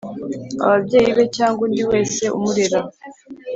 ababyeyi be cyangwa undi wese umurera